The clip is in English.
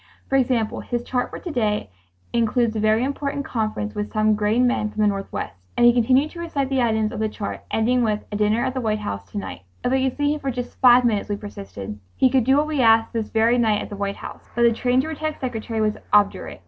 "For example, his chart for to day includes a very important conference with some grain men from the Northwest," ... and he continued to recite the items of the chart, ending with "a dinner at the White House to night." "If we could see him for just five minutes," we persisted, "he could do what we ask this very night at the White House." But the trained to protect secretary was obdurate.